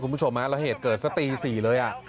คุณผู้ชมเราเหตุเกิดสตรี๔เลย